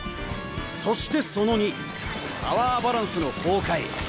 そしてその２パワーバランスの崩壊。